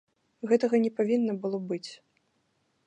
Гэтага не павінна было быць.